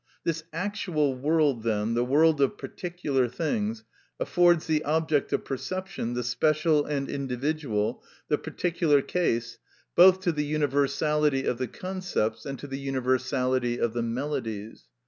This actual world, then, the world of particular things, affords the object of perception, the special and individual, the particular case, both to the universality of the concepts and to the universality of the melodies.